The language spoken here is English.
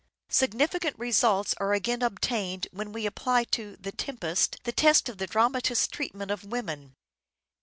Significant results are again obtained when we apply to " The Tempest " the test of the dramatist's treat ment of woman.